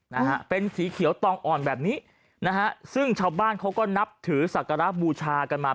นะฮะเป็นสีเขียวตองอ่อนแบบนี้นะฮะซึ่งชาวบ้านเขาก็นับถือศักระบูชากันมา